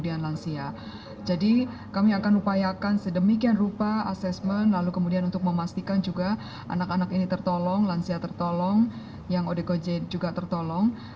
anak anak ini tertolong lansia tertolong yang odkj juga tertolong